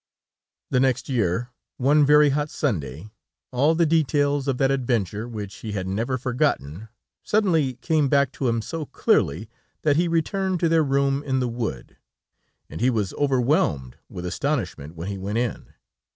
The next year, one very hot Sunday, all the details of that adventure which he had never forgotten, suddenly came back to him so clearly, that he returned to their room in the wood, and he was overwhelmed with astonishment when he went in.